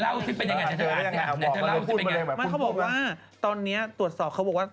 แล้วพี่ค่อยรู้อย่างไม่รู้เรื่องเลย